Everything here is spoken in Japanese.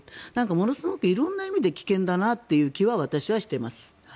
ものすごく色んな意味で危険だなという気はしています。